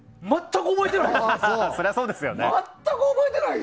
全く覚えてない！